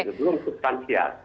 itu belum substansial